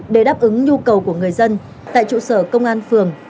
để đáp ứng nhu cầu của người dân tại trụ sở công an phường